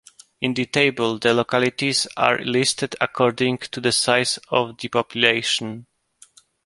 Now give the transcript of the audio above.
In the table the localities are listed according to the size of the population.